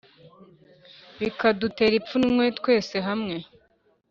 bikadutera ipfunwe twese hamwe